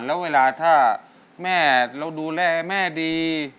แล้วเวลาถ้าแม่เราดูแลแม่ดี